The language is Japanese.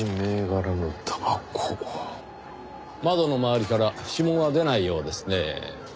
窓の周りから指紋は出ないようですねぇ。